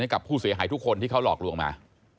กับผู้เสียหายทุกคนที่เขาหลอกลวงมา